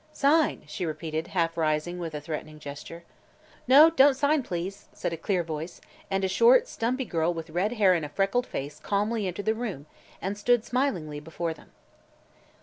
"Sign!" she repeated, half rising with a threatening gesture. "No, don't sign, please," said a clear voice, and a short, stumpy girl with red hair and freckled face calmly entered the room and stood smilingly before them.